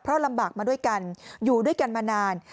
เพราะลำบากมาด้วยกันอยู่ด้วยกันมานาน